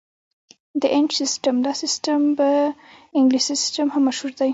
ب - د انچ سیسټم: دا سیسټم په انګلیسي سیسټم هم مشهور دی.